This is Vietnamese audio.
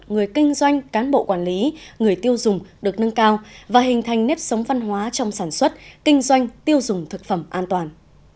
người kinh doanh cán bộ quản lý người tiêu dùng được nâng cao và hình thành nếp sống văn hóa trong sản xuất kinh doanh tiêu dùng thực phẩm an toàn